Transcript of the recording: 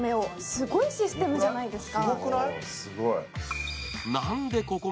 すごいシステムじゃないですか。